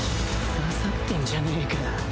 刺さってんじゃねえか